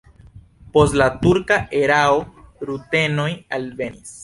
Post la turka erao rutenoj alvenis.